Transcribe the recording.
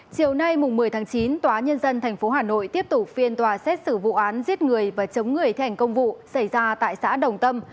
chiều nay một mươi tháng chín tòa nhân dân tp hà nội tiếp tục phiên tòa xét xử vụ án giết người và chống người thi hành công vụ xảy ra tại xã đồng tâm